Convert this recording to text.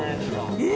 えっ？